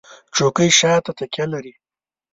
چوکۍ شاته تکیه لري.